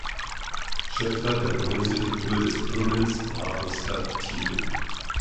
Schöpfer der Bronzefigur des Brunnens war Oskar Thiede.